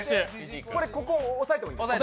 これ、ここ抑えてもいいんですか。